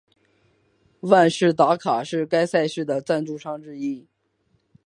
万事达卡是该赛事的赞助商之一。